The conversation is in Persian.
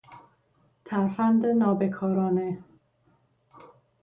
ترفند نا بکارانه